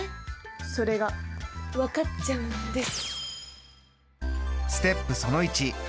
それが分かっちゃうんです。